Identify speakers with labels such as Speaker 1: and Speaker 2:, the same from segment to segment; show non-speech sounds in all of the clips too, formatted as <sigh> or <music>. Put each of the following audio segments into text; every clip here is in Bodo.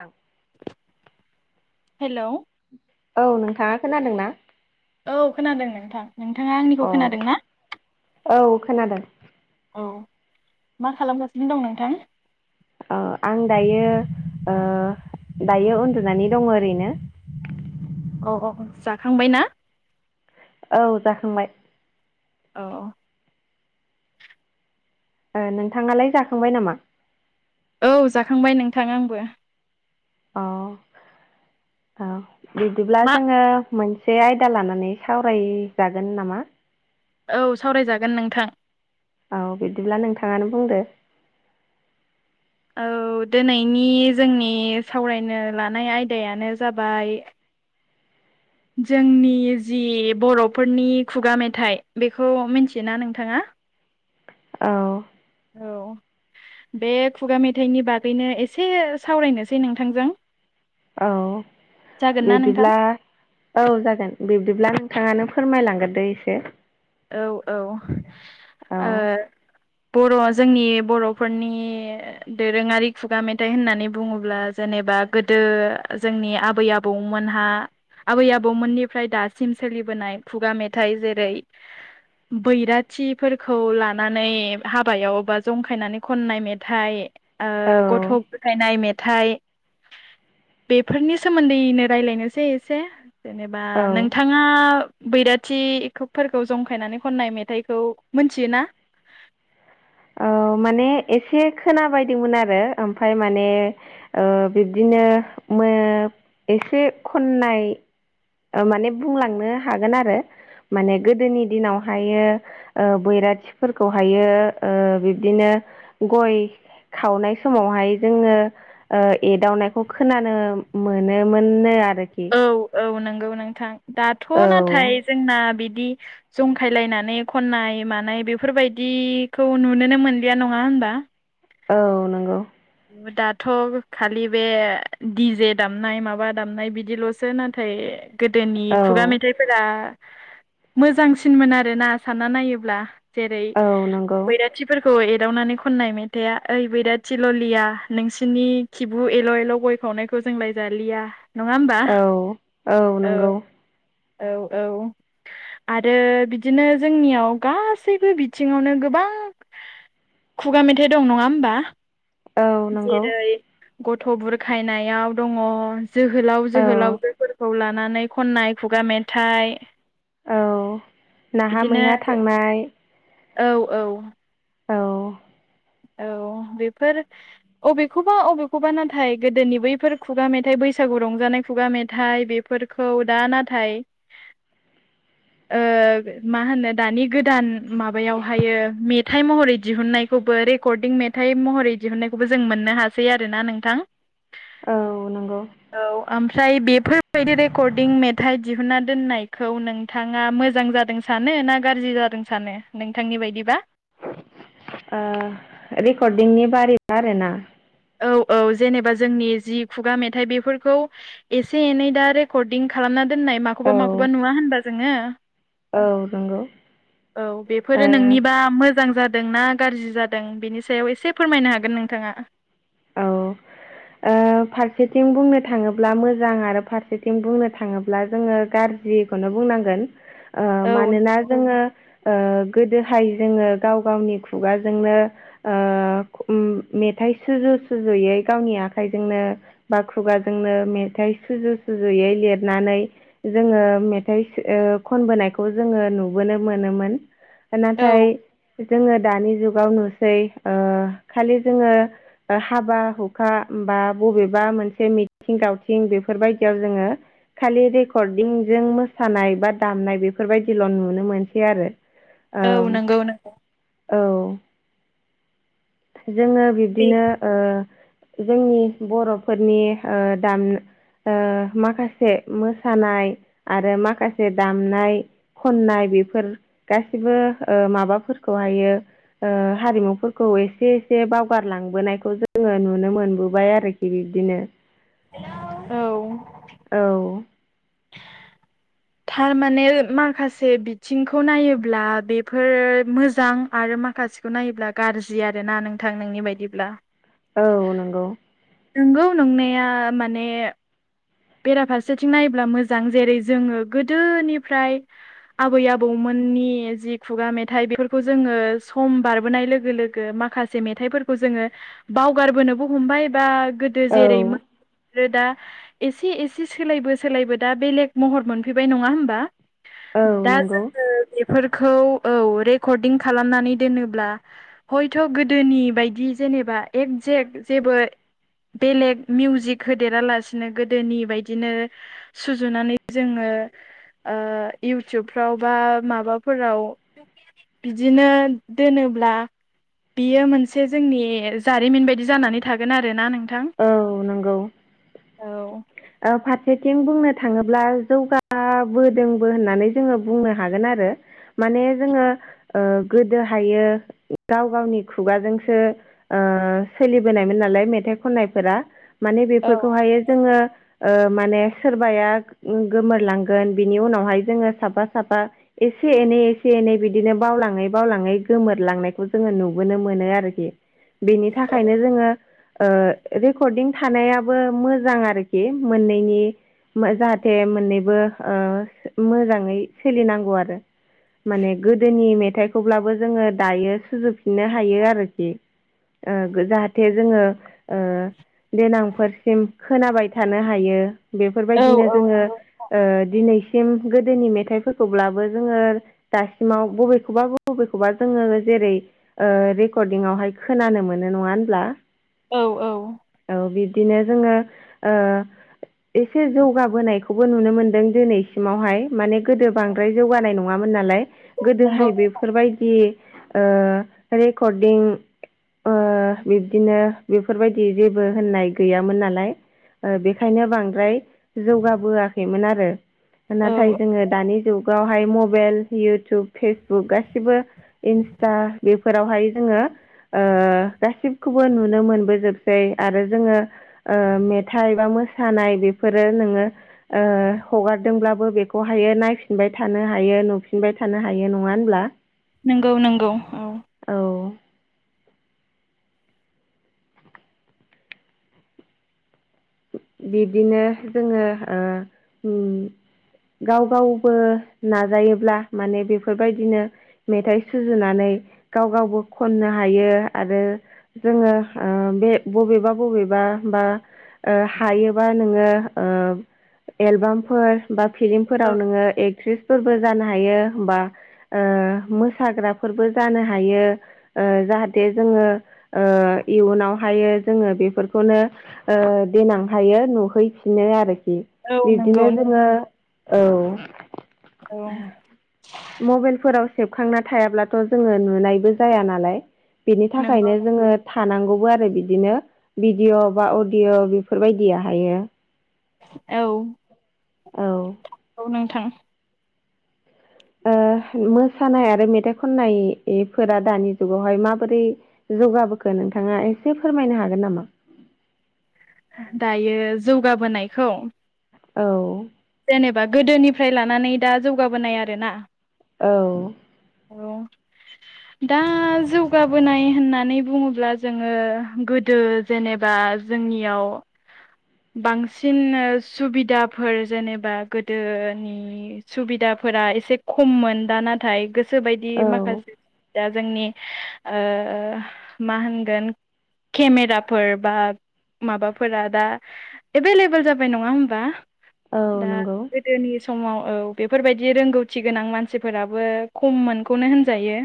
Speaker 1: औ
Speaker 2: हेलौ
Speaker 1: औ नोंथाङा खोनादोंना?
Speaker 2: औ खोनादों नोंथां नोंथाङा आंनिखौ
Speaker 1: अ
Speaker 2: खोनादों ना?
Speaker 1: औ खोनादों
Speaker 2: औ मा खालामगासिनो दं नोंथां?
Speaker 1: औ आं दायो ओ, दायो उन्दुनानै दङ ओरैनो ।
Speaker 2: अ अ जाखांबाय ना?
Speaker 1: औ जाखांबाय ।
Speaker 2: औ
Speaker 1: ओ नोंथाङालाय जाखांबाय नामा?
Speaker 2: औ जाखांबाय नोंथां आंबो।
Speaker 1: औ औ बिदिब्ला
Speaker 2: मा
Speaker 1: जोङो मोनसे आयदा लानानै सावरायजागोन नामा?
Speaker 2: औ सावरायजागोन नोंथां।
Speaker 1: औ बिदिब्ला नोंथाङानो बुंदो
Speaker 2: औ दिनैनि जोंनि सावरायनो लानाय आयदायानो जाबाय जोंनि जि बर'फोरनि खुगा मेथाइ बेखौ मिथियोना नोंथाङा? <inaudible>
Speaker 1: औ
Speaker 2: औ बे खुगा मेथाइनि बागैनो एसे सावरायनोसै नोंथांजों।
Speaker 1: औ
Speaker 2: जागोन ना नोंथां?
Speaker 1: बिदिब्ला औ जागोन बिब्दिब्ला नोंथाङानो फोरमायलांग्रोदो एसे ।
Speaker 2: औ औ ओ बर'आ जोंनि बर'फोरनि दोरोङारि खुगा मेथाइ होननानै बुङोब्ला जेने बा गोदो जोंनि आबै आबौमोनहा आबै आबौमोननिफ्राय दासिम सोलिबोनाय खुगा मेथाइ जेरै बैराथिफोरखौ लानानै हाबायाव बा जंखायनानै खननाय मेथाइ ओ गथ'
Speaker 1: औ
Speaker 2: बुरखायनाय मेथाइ बेफोरनि सोमोन्दैनो राय्लायनोसै एसे । जेनेबा
Speaker 1: औ
Speaker 2: नोंथाङा बैराथिखौ फोरखौ जंखायनानै खननाय मेथाइखौ मोनथियोना?
Speaker 1: औ माने एसे खोनाबायदोंमोन आरो ओमफाय माने ओ बिब्दिनो ओ मो, एसे खननाय। माने बुंलांनो हागोन आरो। माने गोदोनि दिनावहायो बैराथिफोरखौहायो। ओ, बिब्दिनो गय खावनाय समावहाय जोङो ओ, एदावनायखौ खोनानो मोनोमोननो आरोखि
Speaker 2: औ औ नंगौ नोंथां दाथ'
Speaker 1: औ
Speaker 2: नाथाय जोंना बिदि बिदि जंखायलायनानै खन्नाय मानाय बेफोरबायदिखौ नुनोनो मोनलिया नङा होनबा?
Speaker 1: औ नंगौ
Speaker 2: दाथ' खालि बे डि जे दामनाय माबा दामनाय बिदिल'सो नाथाय गोदोनि
Speaker 1: औ
Speaker 2: खुगा मेथाइफोरा मोजांसिनमोन आरोना सानना नायोब्ला। जेरै
Speaker 1: औ नंगौ
Speaker 2: बैराथिफोरखौ एदावनानै खननाय मेथाइआ ओइ बैराथि ल' लया नोंसिनि खिबु एल' एल' गय खावनायखौ जोंलाय जालिया। नङा होमबा
Speaker 1: औ
Speaker 2: औ औ औ। आरो बिदिनो जोंनियाव गासैबो बिथिङावनो गोबां खुगा मेथाइ दं नङा होमबा
Speaker 1: औ नंगौ
Speaker 2: जेरै गथ' बुरखायनायाव दङ । जोहोलाव
Speaker 1: औ
Speaker 2: जोहोलावजोफोरखौ लानानै खननाय खुगा मेथाइ।
Speaker 1: औ नाहा
Speaker 2: बिदिनो
Speaker 1: मैहा थांनाय।
Speaker 2: औ औ।
Speaker 1: औ।
Speaker 2: औ बेफोर अबेखौबा अबेखौबा नाथाय गोदोनि बैफोर खुगा मेथाइ बै बैसागु रंजानाय खुगा मेथाइ बेफोरखौ दा नाथाय मा होनो दानि गोदान माबायावहायो मेथाइ महरै दिहुननायखौ खौबो रेकर्डिं मेथाइ महरै दिहुननायखौबो जों मोननो हासै आरोना नोंथां।
Speaker 1: औ नंगौ
Speaker 2: औ ओमफ्राय बे बेफोरबायदि रेकर्डिं मेथाइ दिहुनना दोननायखौ नोंथाङा मोजां जादों सानोना गाज्रि जादों सानो नोंथांनि बायदिबा।
Speaker 1: रेकर्डिंनि बारै आरोना।
Speaker 2: औ औ जेनेबा जोंनि जि खुगा मेथाइ बेफोरखौ एसे एनै दा रेकर्डिं खालामना दोननाय
Speaker 1: औ
Speaker 2: माखौबा माखौबा नुआ होनबा जोङो।
Speaker 1: औ नंगौ
Speaker 2: औ बेफोरो
Speaker 1: ओ
Speaker 2: नोंनिबा मोजां जादोंना गाज्रि जादों बेनि सायाव एसे फोरमायनो हागोन नोंथाङा।
Speaker 1: औ। फारसेथिं बुंनो थाङोब्ला मोजां आरो फारसेथिं बुंनो थाङोब्ला जोङो गाज्रि खौनो बुंनांगोन
Speaker 2: औ
Speaker 1: मानोना जोङो। गोदोहाय जोङो गाव गावनि खुगाजोंनो मेथाइ मेथाय सुजु सुजुयै गावनि आखाइजोंनो बा खुगाजोंनो मेथाइ सुजु सुजुयै लिरनानै जोङो मेथाइ खनबोनायखौ जोङो नुबोनो मोनोमोन।
Speaker 2: औ
Speaker 1: नाथाय जोङो दानि जुगाव नुसै खालि जोङो हाबा हुखा बा बबेबा मोनसे मिथिं दावथिं बेफोरबायदियाव जोङो खालि रेकर्डिंजों मोसानाय बा दामनाय बेफोरबायदिल' नुनो मोनसै आरो।
Speaker 2: औ नंगौ नोंथां
Speaker 1: औ। जोङो
Speaker 2: बे
Speaker 1: बिब्दिनो जोंनि बर'फोरनि दाम माखासे मोसानाय आरो माखासे दामनाय खननाय बेफोर गासिबो माबाफोरखौहायो हारिमुफोरखौ एसे एसे एसे बावगारलांबोनायखौ जोङो नुनो मोनबोबाय आरोखि बिब्दिनो
Speaker 2: औ।
Speaker 1: औ।
Speaker 2: थारमाने माखासे बिथिंखौ नायोब्ला बेफोर मोजां आरो मा माखासेखौ नायोब्ला गाज्रि आरोना नोंथां नोंनि बायदिब्ला।
Speaker 1: औ नंगौ।
Speaker 2: नंगौ नंनाया माने। बेराफारसेथिं नायोब्ला मोजां जेरै जोङो गोदोनिफ्राय आबै आबौमोन नि जि खुगा मेथाइ बेफोरखौ जोङो सम बारबोनाय लोगो लोगो माखासे मेथाइफोरखौ जोङो बावगारबोनोबो हमबाय बा गोदो
Speaker 1: औ
Speaker 2: जेरै दा एसे एसे सोलायबो सोलायबो दा बेलेग महर मोनफैबाय नङा होमबा।
Speaker 1: औ
Speaker 2: दा
Speaker 1: नंगौ
Speaker 2: जोङो। फोरखौ औ रेकर्डं खालामनानै दोनोब्ला हयथ' गोदोनि बायदि जे जेनेबा एकजेक् जेबो बेलेग मिउजिक होदेरालासिनो गोदोनि गोदोनि बायदिनो सुजुनानै जोंङो ओ इउटुबफ्राव बा माबाफोराव। बिदिनो दोनोब्ला! बियो मोनसे जोंनि जारिमिन बायदि जानानै थागोन आरो ना नों! नोंथां
Speaker 1: औ नंगौ
Speaker 2: औ।
Speaker 1: फारसेथिं बुंनो थांङोब्ला जौगाबोदोंबो होननानै जोंङो बुंनो हागोन आरो आरो माने जोंङो गोदोहायो गाव गावनि खुगाजोंसो। ओ सोलिबोनायमोन नालाय मेथाइ खननायफोरा माने
Speaker 2: औ
Speaker 1: बेफोरखौहाय जोंङो माने सोरबाया गोमोरलांगोन बिनि उनावहाय जोंङो साफा साफा एसे एनै एसे एनै बिदिनो बावलांङै बावलांङै गोमोरलांनायखौ जोंङो नुबोनो मोनो आरोखि बेनि
Speaker 2: औ
Speaker 1: थाखायनो जोंङो ओ रेकर्डिं थानायाबो मोजां आरोखि मोननैनि! जाहाथे मोननैबो ओ मोजांङै सोलिनांगौ आरो माने गोदोनि मेथाइखौब्लाबो जोंङो दायो सुजुफिननो हायो आरोखि जाहाथे जोंङो ओ देनांफोरसिम खोनाबाय थानो हायो!
Speaker 2: औ
Speaker 1: बेफोरबायदिनो
Speaker 2: औ
Speaker 1: जोंङो
Speaker 2: नंगौ
Speaker 1: ओ दिनै गोदोनि मेथाइफोरखौब्लाबो जोंङो दासिमाव बबेखौबा बबेखौबा जोंङो जेरै रेकर्डिंआवहाय खोनानो मोनो नंङा होनब्ला
Speaker 2: औ औ
Speaker 1: बिदिनो जोंङो ओ एसे जौगाबोनायखौबो नुनो मोनदों दिनैसिमावहाय माने गोदो बांद्राय जौगानाय नंङामोन नालाय
Speaker 2: नंगौ
Speaker 1: गोदोहाय बेफोरबायदि। ओ रेकर्दिं ओ बिब्दिनो बेफोरबायदि जेबो होननाय गैयामोन नालाय बेखायनो बांद्राय। जौगाबोआखैमोन आरो
Speaker 2: औ
Speaker 1: नाथाय जोंङो दानि जुग वहाय मबाइल इउटुब फेसबुक गासिबो इन्सटा। फोरावहाय जोंङो ओ गासिबखौबो नुनो मोन बोजोबसै आरो जोंङो ओ मेथाइ बा मोसानाय बेफोरो नोंङो हगारदोंब्लाबो बेखौहायो नायफिनबाय थानो हायो नुफिनबाय थानो हायो नंङा होनब्ला
Speaker 2: नंगौ नंगौ औ
Speaker 1: बिब्दिनो जोंङो ओ गाव गावबो नाजायोब्ला माने बेफोरबायदिनो मेथाइ सुजुनानै। गाव गावबो खननो हायो आरो जोंङो बे बबेबा बबेबा बा ओ हायोबा नोंङो ओ एलबामफोर बा फिल्मफोराव नोंङो एक्ट्रिसफोरबो जानो हायो बा ओ मोसाग्राफोरबो जानो हायो ओ जाहाथे जोंङो ओ इयुनावहायो जोंङो बेफोरखौनो ओ देनां हायो नुहैफिनो आरोखि
Speaker 2: औ नंगौ
Speaker 1: बिब्दिनो जोंङो औ।
Speaker 2: औ
Speaker 1: म'बाइलफोराव सेबखांना थायाब्लाथ' जोंङो नुनायबो जाया नालाय। बेनि
Speaker 2: नंगौ
Speaker 1: थाखायनो जोंङो थानांगौबो आरो बिदिनो भिडिय' बा अडिय'। बेफोरबायदिया हायो।
Speaker 2: औ।
Speaker 1: औ।
Speaker 2: औ नोंथां।
Speaker 1: ओ
Speaker 2: <inaudible>
Speaker 1: मोसानाय आरो मेथाइ खननाय ए फोरा दानि जुगावहाय माबोरै जौगा बोखो? नोंथाङा एसे फोरमायनो हागोन नामा?
Speaker 2: दायो जौगाबोनायखौ
Speaker 1: औ।
Speaker 2: जेनेबा गोदोनिफ्राय लानानै दा जौगाबोनाय आरो ना।
Speaker 1: औ।
Speaker 2: औ। दा जौगाबोनाय होननानै बुङोब्ला जोङो गोदो जेनेबा आ जोंनियाव बांसिन ओ सुबिदाफोर जेनेबा गोदोनि सुबिदा फोरा एसे खममोन दा नाथाय गोसोबायदि
Speaker 1: औ
Speaker 2: माखासे दा जोंनि ओ मा होनगोन केमेराफोर बा माबाफोरा दा एभेलेबोल जाबाय नङा होमबा?
Speaker 1: औ
Speaker 2: दा
Speaker 1: नंगौ
Speaker 2: गोदोनि समाव औ बेफोरबायदि रोंगौथि गोनां मानसिफोराबो खममोनखौनो होनजायो।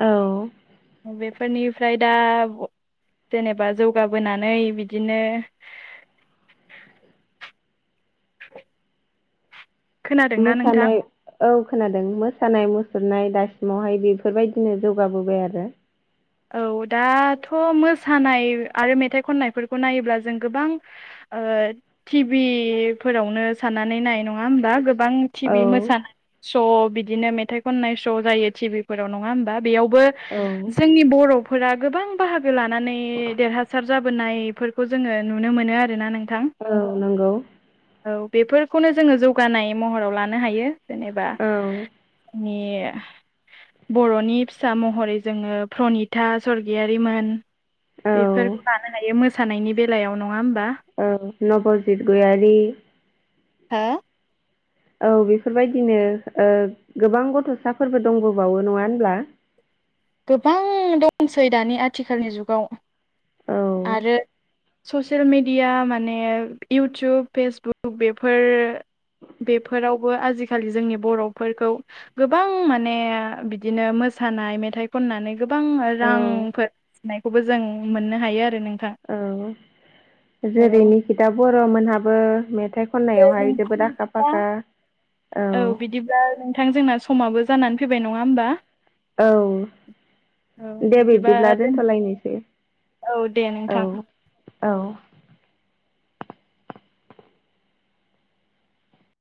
Speaker 1: औ।
Speaker 2: बेफोरनिफ्राय दा जेनेबा जौगाबोनानै बिदिनो खोनादोंना नोंथां
Speaker 1: मोसानाय औ। खोनादों मोसानाय मुसुरनाय दासिमावहाय बेफोरबायदिनो जौगाबोबाय आरो।
Speaker 2: औ दाथ' मोसानाय आरो मेथाइ खननायफोरखौ नायोब्ला जों गोबां ओ टिभि फोरावनो साननानै नायनाय नङा होमबा? गोबां टि
Speaker 1: औ
Speaker 2: भि मोसा श' बिदिनो मेथाइ खननाय श' जायो टिभिफोराव नङा होमबा? बेयाव बो
Speaker 1: औ
Speaker 2: नि बर'फोरा गोबां बाहागो लानानै देरहासार जाबोनायफोरखौ जोङो नुनो मोनो आरो ना नों
Speaker 1: औ नंगौ।
Speaker 2: औ बेफोरखौनो जोङो जौगानाय महराव लानो हायो जेनेबा
Speaker 1: औ
Speaker 2: नि याह बर'नि फिसा महरै जोङो प्रनिता सर्गियारिमोन।
Speaker 1: औ
Speaker 2: बेफोरखौ लानो हायो मोसानायनि बेलायाव नङा होमब
Speaker 1: ओ नबजित गयारि।
Speaker 2: हो?
Speaker 1: औ बेफोरबायदिनो ओ गोबां गथ'साफोरबो दंबोबावो नङा होनब्ला?
Speaker 2: <inaudible> गोबां दंसै दानि आथिखालनि जुगाव
Speaker 1: औ
Speaker 2: आरो ससियेल मिडिया माने इउटुब फेसबुक बेफोर बेफोराव बो आजिखालि जोंनि बर'फोरखौ गोबां माने बिदिनो मोसा मोसानाय मेथाइ खननानै गोबां
Speaker 1: औ
Speaker 2: रांफोर फिनायखौबो जों मोननो हायो आरो नों
Speaker 1: औ जेरै निकिता बर' मोनहाबो मेथाइ खननायावहाय जोबोद आखा फाखा
Speaker 2: औ बिदिब्ला नोंथां जोंना समाबो जानानै फैबाय नङा होमबा?
Speaker 1: औ।
Speaker 2: औ
Speaker 1: दे
Speaker 2: बिदिबा
Speaker 1: बिदिब्ला
Speaker 2: दोन
Speaker 1: दोनथ'लायनोसै
Speaker 2: औ दे
Speaker 1: औ
Speaker 2: नोंथां।
Speaker 1: औ